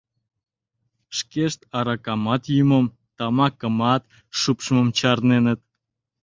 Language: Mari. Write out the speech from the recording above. Шкешт аракамат йӱмым, тамакымат шупшмым чарненыт.